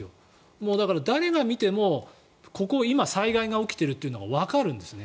もう誰が見てもここに災害が起きているというのがわかるんですね。